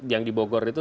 yang dibogor itu